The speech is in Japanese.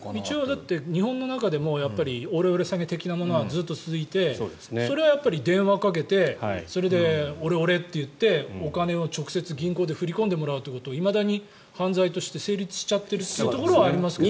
一応、日本の中でもオレオレ詐欺的なものはずっと続いてそれはやっぱり電話をかけてそれで、オレオレって言ってお金を直接、銀行で振り込んでもらうことがいまだに犯罪として成立しちゃってるところはありますよね。